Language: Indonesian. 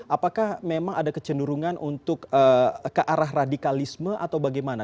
apakah memang ada kecenderungan untuk kearah radikalisme atau bagaimana